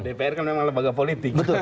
dpr kan memang lembaga politik